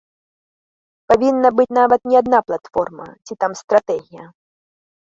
Павінна быць нават не адна платформа ці там стратэгія.